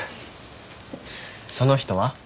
その人は？